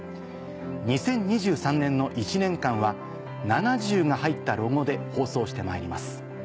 ２０２３年の１年間は「７０」が入ったロゴで放送してまいります。